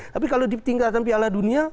tapi kalau di tingkatan piala dunia